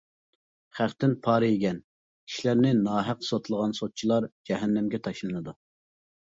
خەقتىن پارا يېگەن، كىشىلەرنى ناھەق سوتلىغان سوتچىلار جەھەننەمگە تاشلىنىدۇ.